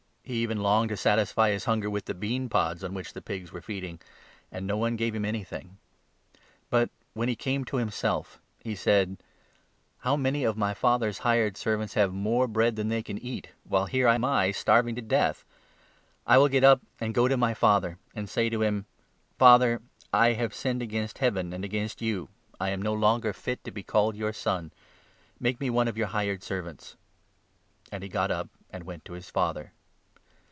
He even 16 longed to satisfy his hunger with the bean pods on which the pigs were feeding ; and no one gave him anything. But, 17 when he came to himself, he said ' How many of my father's hired servants have more bread than they can eat, while here am I starving to death ! I will get up and go to my 18 father, and say to him "Father, I sinned against Heaven and against you ; I am no longer fit to be called your son ; 19 make me one of your hired servants.'" And he got 20 up and went to his father.